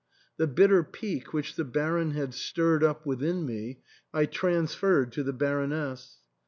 The bitter pique which the Baron had stirred up within me I transferred to the Baroness.